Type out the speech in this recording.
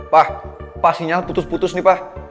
pa pa sinyal putus putus nih pa